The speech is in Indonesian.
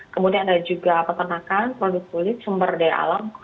kemudian ada juga peternakan produk kulit sumber daya alam